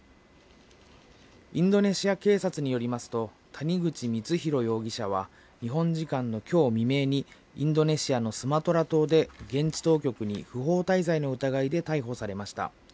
インドネシア警察によりますと、谷口光弘容疑者は、日本時間のきょう未明に、インドネシアのスマトラ島で、現地当局に不法滞在の疑いで逮捕されました。